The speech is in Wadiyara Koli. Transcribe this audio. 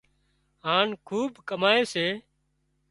هانَ خوٻ ڪمائي سي